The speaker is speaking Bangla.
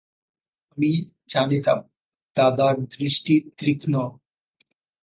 আমি জানিতাম, দাদার দৃষ্টি তীক্ষ্ণ।